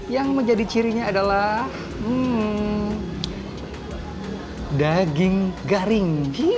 yang menjadi cirinya adalah daging garing